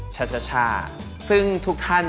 ชัชชาซึ่งทุกท่าน